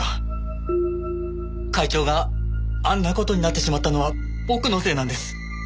会長があんな事になってしまったのは僕のせいなんです。